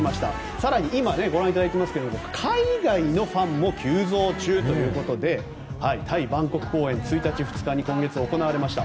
更に今、ご覧いただいていますが海外のファンも急増中ということでタイ・バンコク公演１日、２日に行われました。